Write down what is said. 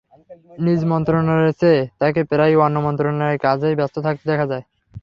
নিজ মন্ত্রণালয়ের চেয়ে তাঁকে প্রায়ই অন্য মন্ত্রণালয়ের কাজেই ব্যস্ত থাকতে দেখা যায়।